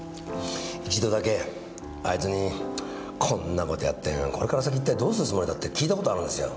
一度だけあいつに「こんな事やってこれから先一体どうするつもりだ？」って訊いた事あるんですよ。